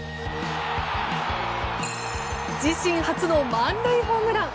自身初の満塁ホームラン！